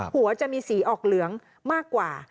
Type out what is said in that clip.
หัวจะมีสีออกเหลืองมากกว่า